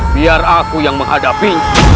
biar aku yang menghadapi